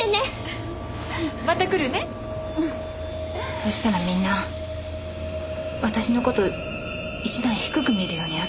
そうしたらみんな私の事を一段低く見るようになって。